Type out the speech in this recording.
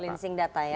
cleansing data ya